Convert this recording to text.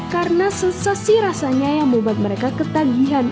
karena sensasi rasanya yang membuat mereka ketagihan